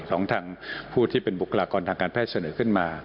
ของทางผู้ที่เป็นบุคลากรทางการแพทย์เสนอขึ้นมา